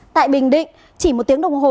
tại bình định chỉ một tiếng đồng hồ